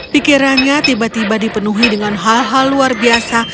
pikirannya tiba tiba dipenuhi dengan hal hal luar biasa